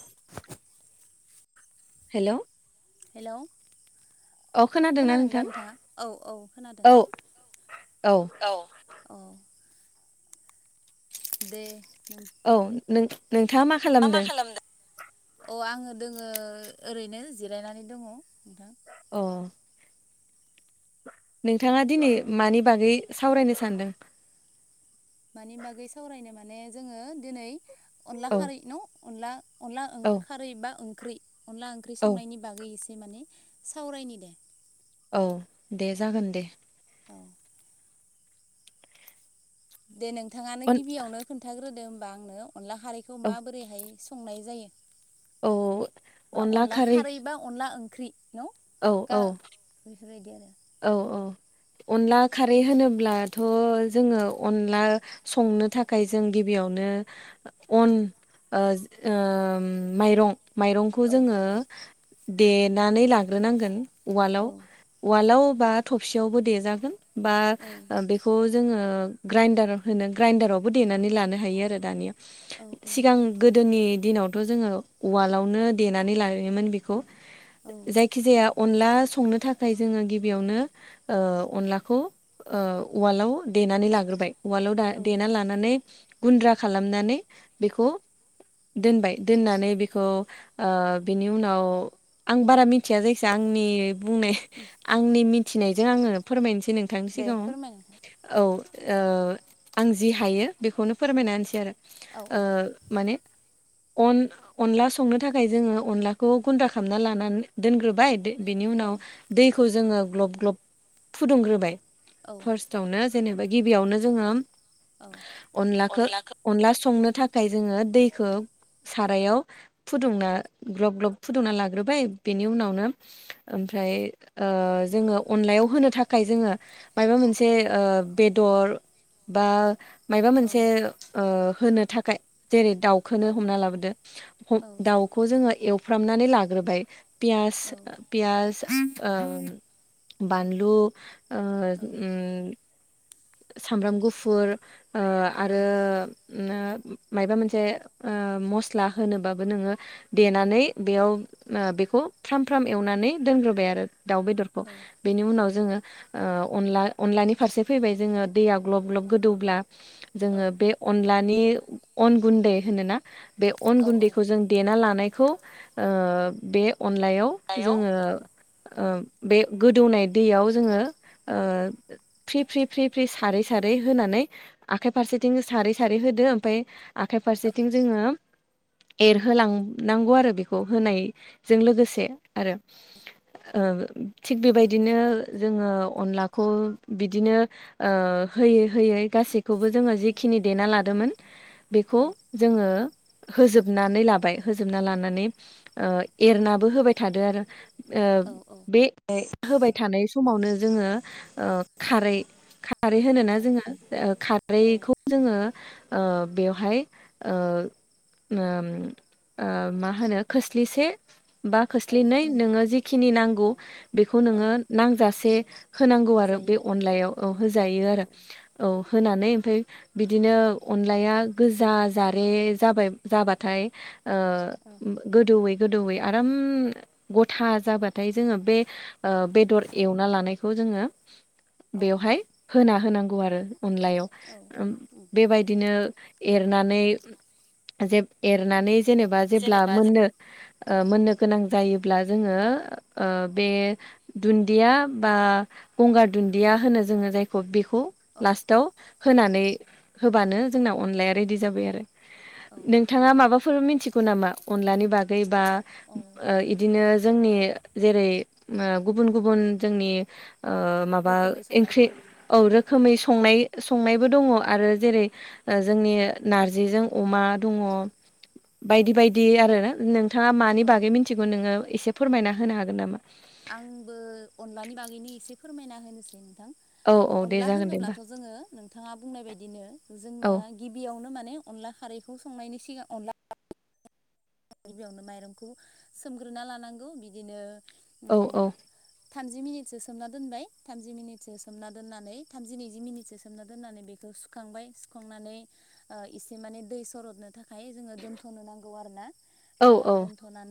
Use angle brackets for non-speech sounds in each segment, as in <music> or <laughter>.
<inaudible> Hello hello औ खोनादोंना नोंथां नोंथाङा? औ औ खोनादों औ औ औ दे नों औ नों नोंथाङा मा खालामदों? अ आङो दोङो ओरैनो जिरायनानै दङ नोंथां। अह नोंथाङा दिनै मानि बागै सावरायनो सानदों? मानि बागै सावरायनो माने जोङो दिनै अनला औ खारै न' अनला। अनला ओं औ खारै बा ओंख्रि अनला ओंख्रि औ संनायनि बागै एसे माने औ दे जागोन दे औ दे नोंथाङानो अन गिबियावनो खोन्थाग्रोदो होमबा आंनो अनला खारैखौ औ माबोरैहाय संनाय जायो औ बा अनला खारै बा अनला ओंख्रि न' औ औ बेफोरबायदि आरो औ औ अनला खारै होनोब्लाथ' जोङो अनला संनो थाखाय जों गिबियाव नो अन ओम माइरं माइरंखौ जोङो देनानै लाग्रोनांगोन उवालाव उवालाव बा थयावबो देजागोन ब जोङो ग्राइडार होनो ग्राइडारावबो देनानै लानो हायो आरो दानिया औ सिगां गोदोनि दिनावथ' जोङो उवालावनो देनानै लायोमोन बेखौ औ जायखि जाया अनला संनो थाखाय जोङो गिबियावनो अनलाखौ उवालाव देनानै लाग्रोबाय। उवालाव देना लानानै गुन्द्रा खालामनानै बेखौ दोनबाय दोननानै बेखौ बिनि उनाव आं बारा मिथिया जायखिाया आंनि बुंनाय। आंनि मिथिनायजों आङो फोरमायनोसै नोंथांनि दे सिगाङाव फोरमाय नोंथां औ आं जि हायो बेखौनो फोरमायनासै आरो औ ओ औ माने अन अनला संनो थाखाय जोङो अनलाखौ गुन्द्रा खालामना लानानै दोनग्रोबाय बेनि औ उनाव दैखौ जोङो गलब गलब फुदुग्रोबाय औ फारसथावनो जेनेबा गिबियावनो जोङो औ औ अनलाखो अनलास संनो थाखाय जोङो दैखौ सारायाव फुदुंना ग्लब ग्लब फुदुंना लाग्रोबाय बेनि उनावनो ओमफ्राय ओ जोङो अनलायाव होनो थाखाय जोङो मायाबा मोनसे ओ बेदर बा माबा मोनसे होनो थाखाय जेरै दाउखौनो हमना लाबोदो दाउखौ जोङो एवफ्रामनानै लाग्रोबाय पिस पियास ओ बानलु ओ उम सामब्राम गुफुर आरो मायाबा मोनसे मस्ला होनोबाबो नोङो देनानै बेयाव बेखौ फ्राम फ्राम एवनानै दोनग्रोबाय आरो दाउ बेदरखौ बेनि उनाव जोङो अनला अनलानि फारसे फैबाय जो दैयाव ग्लब ग्लब गोदौब्ला औ जोङो बे अ नि अनगुनदै होनो ना? बेअन औ औ गुनदैखौ जों देना ला बे अनलायाव सायाव जोङो औ बे गोदौनाय दैयाव जोङो फ्रि फ्रि फ्रि फ्रि सारै सारै होनानै आखाइ फारसेथिं सारै सारै होदो ओमफ्राय आखाइ औ फारसेथिं जोङो एरहोलांनांगौ आरो बेखौ होनायजों लोगोसे आरो <unintelligible> थिग बेबायदिनो जोङो अनलाखौ बिदिनो ओ होयै -होयै गासैखौबो जोङो जिखिनि देना लादोंमोन। बेखौ औ जोङो होजोबनानै लाबाय। होजोबना लानानै एरनाबो होबाय थादो आरो। औ औ <unintelligible> होबाय थानाय समावनो जोङो खारै खारै होनोना जोङो खारैखौ जोङो ओ बेवहाय ओ ओम -ओम मा होनो खोस्लिसे बा खोस्लिनै नोङो जिखिनि नांगौ। बेखौ औ नोङो नांजासे होनांगौ आरो बे अनलायाव, औ होजायो औ आरो औ। होनानै ओमफ्राय बिदिनो, अनलाया गोजा जारे जाबाय -जाबाथाय ओ औ गोदौै गोदौयै आराम गथा जाबाथाय, जोङो बे बेदर एवना लानायखौ जों जोङो औ बेवहाय होना होनांगौ आरो औ अनलायाव उम बेबायदिनो एरनानै जे- एरनानै जेनेबा जेब्ला जेनेबा मोननो मोननो गोनां जायोब्ला जोङो बे दुन्दिया बा गंगार दुन्दिया होनो जोङो, जायखौ बेखौ अ लास्टाव होनानै होबानो जोंना अनलाया रेडि जाबाय आरो। औ नोंथाङा माबा मोनथिगौ नामा? अनलानि बागै बा बिदिनो जोंनि जेरै गुबुन- गुबुन जोंनि ओ बा रोखोमै ओंख्रै औ रोखोमै <unintelligible> संनाय -संनायबो दङ आरो जेरै जोंनि नारजिजों अमा दङ। औ बायदि -बायदि आरो ना नोंथाङा मानि बागै मिथिगौ नोङो एसे फोरमायना होनो हागोन नामा? आंबो अनलानि बागैनो एसे फोरमायना होनोसै नोंथां। औ औ दे अनला जागोन दे होमबा होनोब्लाथ' जोङो नोंथाङा बुंनाय बादिनो औ जोंनो गिबियावनो माने अनला खारैखौ संनायनि सिगां अनला गिबियावनो माइरंखौ सोमग्रोना लानांगौ बिदिनो औ उम औ। थामजि मिनिटसो सोमना दोनबाय। थामजि मिनिटसो सोमना दोननानै थामजि नैजि मिनिटसो सोमना दोन्नानै बेखौ सुखांबाय। सुखांनानै एसे माने दै सरथ'नो थाखाय जोङो दोनथ'नो नांगौ आरोना औ ओ औ दोनथ'नानै <unintelligible>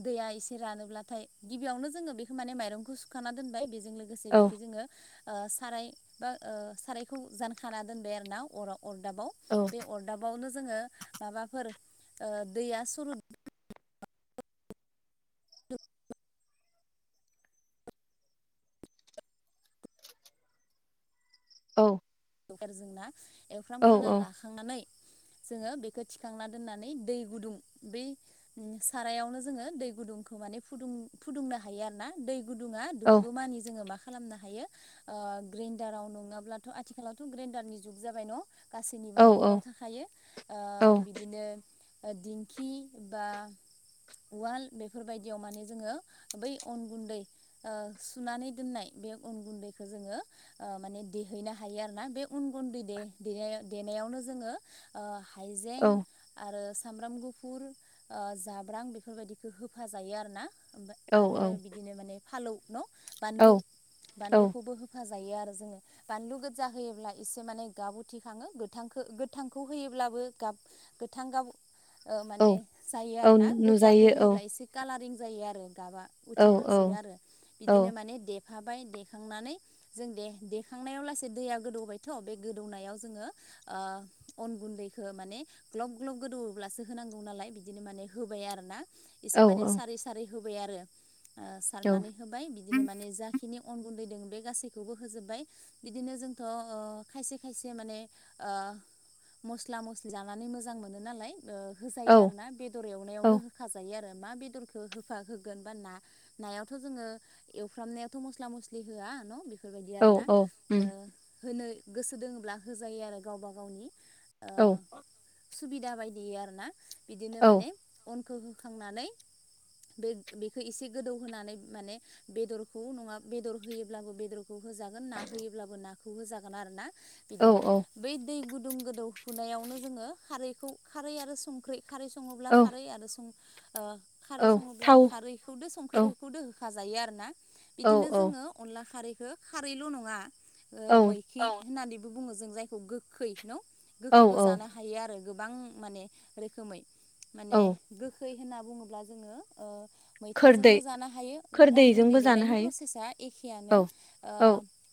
दैया एसे रानोब्ला थाय, गिबियावनो जोङो बेखौ मायरंखौ सुखाना दोनबाय। बेजों लोगोसे औ बेखि जोङो ओ साराय बा ओ सारायखौ जानखाना दोनबाय आरो ना अराव। अरदाबाव औ बे अरदाबावनो जोङो माबाफोर दैया सुरु <unintelligible> औ। एबार जोंना औ एवफ्रामग्रोना लाखांनानै जोङो बेखौ थिखांना दोन्नानै दै गुदुं, बै सारायावनो जोङो दै गुदुंखौ माने माने फुदुं-फुदुंनो हायो आरो ना। दै गुदुंया औ दुंगौ मानि जों मा खालामनो हायो, ओ ग्रेन्दाराव नङाब्लाथ' आथिखालाव' ग्रेनन्दार जुग जाबाय न'। गासैनिबो औ न'खराव थाखायो ओ बिदिनो दिंखि बा उवाल बेफोरबायदियाव माने जोङो, बै अन गुन्दै, सुनानै दोननाय बे अन गुन्दैखो जोङो ओ माने देहैनो <unintelligible> हायो आरोना। बे उन गुन्दै दे -देना- देनायावनो जोङो ओ हाइजें आरो सामब्राम गुफुर आ जाब्रां बेफोरबायदिखो होफाजायो आरो ना। ओमबा आरो बिदिनो माने, फालौ न' औ बानलु औ बानलुखौबो <unintelligible> जायो आरो जोङो बानलु गो जा होयोब्ला एसे माने गाब उथिखाङो गोथांखो गोथांखौ होयोब्लाबो गाब गोथां गाब ओ माने जायो औ आरोना गोदजाखौ नुजायो औ होयोब्ला एसे कालारिं जायो आरो गाबा औ औ उथिखांसिनो आरो औ बिदिनो माने दे खाबाय देखांनानै जों दे देखांनायाव लासे दैया गोदौबायथ' बे गोदौनायाव जोङो आ अन गुन्दैखो माने ग्लब ग्लब गोदौ दौब्लासो होनांगौ नालाय बिदिनो माने होबाय आरो ना इसे औ माने सारै सारै होबाय आरो ओ सारनानै होबाय बिदिनो माने जाखिनि अन गुन्दै दों बे गासैखौबो होजोबबाय बिदिनो जों थ' अ खायसे खायसे माने ओ मस्ला मस्लि जानानै मोजां मोनो नालाय ओ औ होजायो आरो ना बेदर एवनायावनो होखाजायो आरो मा बेदरखो होफा होगोन बा ना नायावथ' जोङो एवफ्रामनायावथ' मस्ला मस्लि होया न' बेबायदि आरो ना औ उम ओ होनो गोसो दोङोब्ला होजायो आरो गावबा गावनि ओ औ सुबिदा बायदियै आरो ना बिदिनो औ माने अनखौ होखांनानै बेग बेखो एसे गोदौ होनानै माने बेदरखौ नङा बेदर होयोब्लाबो बेदरखौ होजागोन ना होयोब्लाबो नाखौ होजागोन आरो ना औ बिदिनो बै दै गुदु गुदुं गोदौफुनायावनो जोङो खारैखौ खारै आरो संख्रै खारै सङोब्ला औ खारै आरो सं ओ खारै औ सङोब्ला थाव खारैखौदो औ संख्रैखौदो होखा जायो आरो ना औ बिदिनो औ जोङो अनला खारैखो खारैल' नङा ओ मैखि औ होननानैबो बुङो जों जायखौ गोखै न' गोखैबो औ जानो हायो आरो गोबां माने रोखोमै माने औ गोखै होनना बुङोब्ला जोङो ओ खोरदै मैथाजोंबो जानो हायो अन गुन्दै खोरदैजोंबो जानो देनायनि हायो प्रसेसा एखेयानो औ ओ औ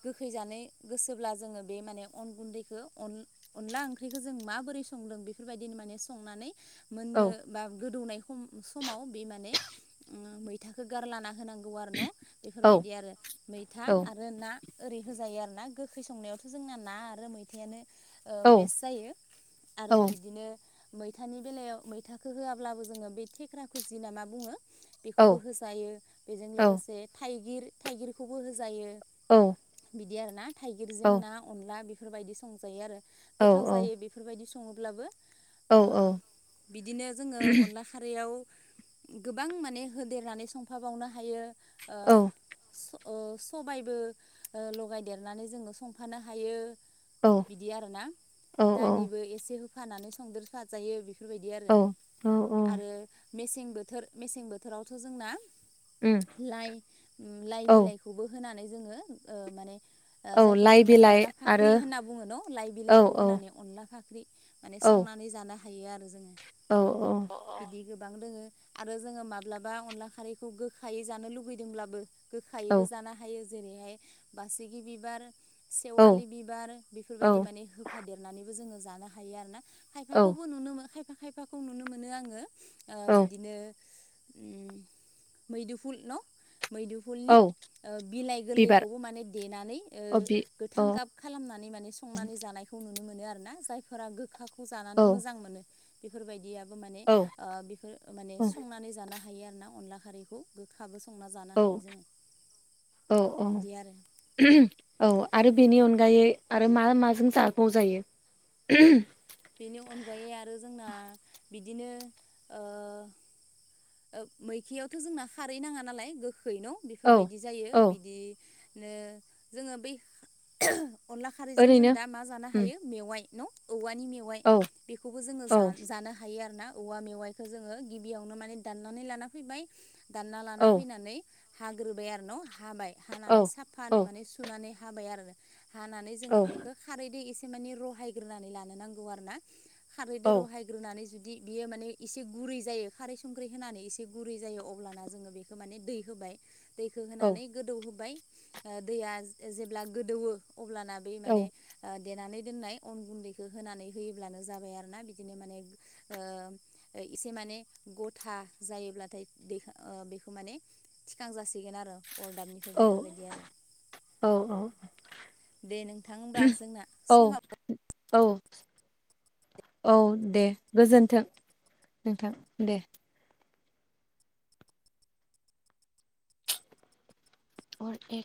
गोख खै जानैय गोसोब्ला जोङो बे माने अन गुन्दैखो अनला ओंख्रिखो जों माबोरै संदों बेफोरबायदिनो माने संनानै मोन्नो बा गोदौनाय सम समाव बे माने ओ मैथाखो गारलाना होनांग गौ आरो न' बेफोरबायदि आरो मैथा आरो ना ओरै होजायो आरो ना गोखै संनायावथ' जोंना ना आरो मैथायानो ओ बेस्ट जायो आरो बिदिनो मैथानि बेलायाव मैथाखो होयाब्लाबो जोङो बे थेख्रा खुजि ना मा बुङो? बेखौबो होजायो बेजों लोगोसे थाइगिर थाइगिरखौबो होजायो। औ बिदि आरोना थाइगिरजों ना अनला बेफोरबायदि संजायो आरो गोथाव जायो बेफोरबायदि स सङोब्लाबो औ आ बिदिनो जोङो अनला खारैयाव गोबां माने होदेरनानै संफाबावनो हायो ओ स अ सबाइबो ओ लगायदेरनानै जोङो संफानो हायो। बिदि आरोना दालिबो एसे होफानानै संदेर साजायो बि फोरबायदि आरो औ आरो मेसें बोथोर मेसें बोथोरावथ' जोंना उम लाइ लाइ औ बिलाइखौबो होनानै जोङो ओ माने आ औ जायखौ लाइ जोङो बिलाइ अनला फाख्रि आरो होनना बुङो न' लाइ औ बिलाइखौ औ होनानै अनला फाख्रि माने औ संनानै जानो हायो आरो जों औ अ अ बिदिखोब गोबां दोङो आरो जोङो माब्लाबा अनला खारैखो गोखायै जानो लुुबैदोंब्लाबो औ गोखायैबो जानो हायो जेरैहाय बासिगि बिबार सेवालि बिबार औ बेफोरबायदि माने होफादेरनानैबो जोङो जानो हायो आरो ना औ खायफाखौबो नुनो मोनो खायफा खायफाखौ नुनो मोनो आङो औ बिदिनो उम मैदिफुल न मैदुफुलनि औ बिलाइ बिबार गोरलैखौबो माने नानै ओ अ बि औ गोथां गाब खालामनानै माने संनानै जानायखौ नुनो मोनो आरोना जायफोरा गोखाखौ औ जानानै मोजां मोनो बेफोरबादि आरो माने औ ओ बेफोर माने संनानै जानो हायो आरोना अनला खारिखौ गोखा बो संना जानो औ औ हायो जोङो औ बिदि आरो औ आरो बेनि अनगायै आरो मा माजों जाबाव जायो बेनि अनगायै आरो जोंना बिदिनो ओ मैखियावथ' जोंना खारै नाङा नालाय गो गोखैन' औ बेफोरबायदि जायो औ बिदिनो जोङो बै अनला खारैजों जों ओरैनो दा मा जानो उम हायो मेवाइ न' औवाइ नि मेवाइ औ बेखौबो जोङो औ जानो हायो आरोना औवा मेवायखौ जोङो गिबियावनो माने दाननानै लाना फैबाय दानना लाना औ फैनानै हाग्रोबाय आरो न ' हाबाय औ हानानै औ साफानो माने सुनानै हाबाय आरो हानानै औ जोङो बेखौ खारैजों एसे माने रहायगोननानै ल नांगौ आरोना खारैद औ रहायग्रोन जुदि बि बियो माने इसे गुरै जायो खारै संख्रि होनानै एसे गुरै जायो अब्लाना जोङो बेखौ माने दै होबाय दैखौ औ होनानै गोदौहोबाय दैया जेब्ला गोदौवो अब्लाना बे औ माने ओ देनानै दोन्नाय अन गुन्दैखौ होनानै होयोब्लानो जाबाय आरोना बिदिनो माने ओ इसे माने गथा जायोब्लाथाय बे बेखौ माने थिखां जासिगोन आरो अरदाबनिफ्राय बेफोरबायदि आरो औ दे नोंथां होमब्ला जोंना औ समाबो औ औ दे गोजोन्थों नोंथां दे औ दे